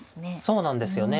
そうなんですよね。